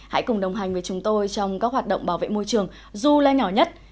hãy cùng đồng hành với chúng tôi trong các hoạt động bảo vệ môi trường du leo nhỏ nhất